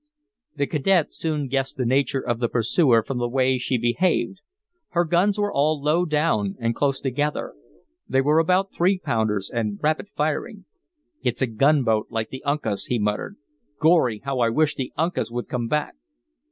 The cadet soon guessed the nature of the pursuer from the way she behaved. Her guns were all low down and close together. They were about three pounders, and rapid firing. "It's a gunboat like the Uncas," he muttered. "Gorry! how I wish the Uncas would come back!"